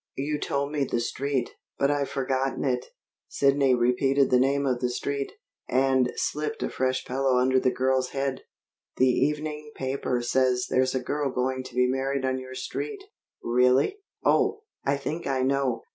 "You told me the street, but I've forgotten it." Sidney repeated the name of the Street, and slipped a fresh pillow under the girl's head. "The evening paper says there's a girl going to be married on your street." "Really! Oh, I think I know.